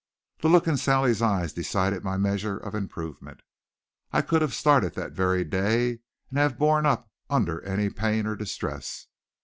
The look in Sally's eyes decided my measure of improvement. I could have started that very day and have borne up under any pain or distress.